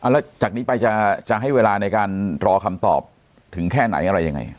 แล้วจากนี้ไปจะให้เวลาในการรอคำตอบถึงแค่ไหนอะไรยังไง